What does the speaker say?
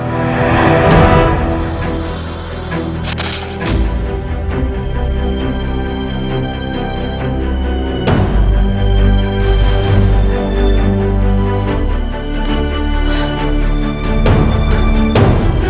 tidak ada sinta